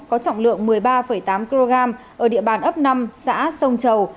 có trọng lượng một mươi ba tám kg ở địa bàn ấp năm xã sông chầu